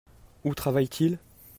Où travaille-t-il ?